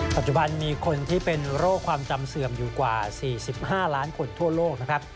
ปัจจุบันมีคนที่เป็นโรคความจำเสื่อมอยู่กว่า๔๕ล้านคนทั่วโลกนะครับ